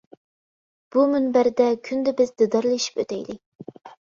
بۇ مۇنبەردە كۈندە بىز، دىدارلىشىپ ئۆتەيلى.